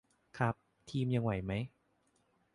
ครับ ทีมยังไหวไหม